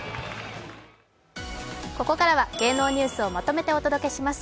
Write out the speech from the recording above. ここからは芸能ニュースをまとめてお届けします。